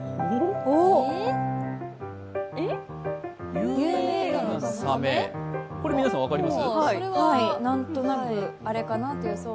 有名映画、これ皆さん分かります？